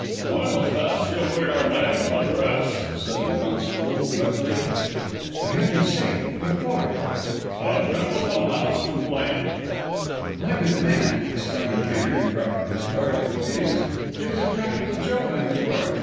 "I must ask you for your name and address," said the constable, gruffly. "For Heaven's sake! what for?" "A gentleman has complained " "My good man!" exclaimed Cairn, and proffered his card "it is it is a practical joke on his part.